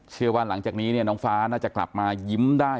เชื่อว่าหลังจากนี้น้องฟ้าน่าจะกลับมายิ้มได้